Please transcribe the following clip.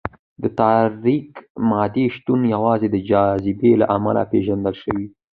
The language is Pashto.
د تاریک مادې شتون یوازې د جاذبې له امله پېژندل شوی.